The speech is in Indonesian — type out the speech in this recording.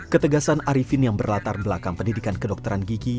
ketegasan arifin yang berlatar belakang pendidikan kedokteran gigi